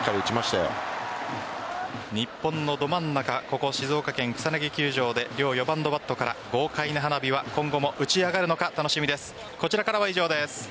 日本のど真ん中ここ静岡県草薙球場で両４番のバットから豪快な花火が今後も打ち上がるのか楽しみです。